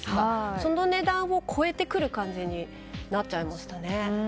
その値段を超えてくる感じになっちゃいましたね。